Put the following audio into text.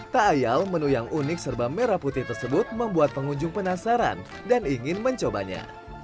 tak ayal menu yang unik serba merah putih tersebut membuat pengunjung penasaran dan ingin mencobanya